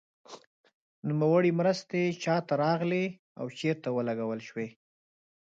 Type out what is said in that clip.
نوموړې مرستې چا ته راغلې او چیرته ولګول شوې.